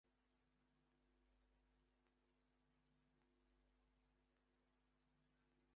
William Stryker continued his terror attacks against the school.